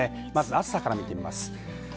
暑さから見てみます。